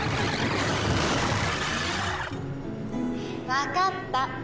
わかった。